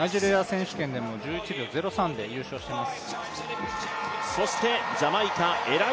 ナイジェリア選手権でも１１秒０３で優勝をしています。